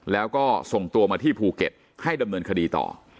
แล้วก็ส่งตัวมาที่ภูเก็ตให้ดำเนินคดีต่อ